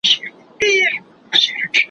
قافلې پر لويو لارو لوټېدلې